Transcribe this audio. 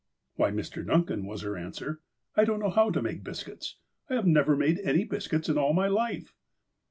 "Why, Mr. Duncan," was her answer, "I don't know how to make biscuits. I never made any biscuits in all my life."